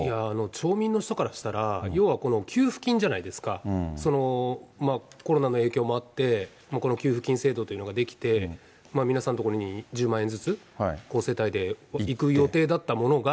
町民の人からしたら、要はこの給付金じゃないですか、コロナの影響もあって、この給付金制度というのが出来て、皆さんの所に１０万ずつ、世帯でいく予定だったものが。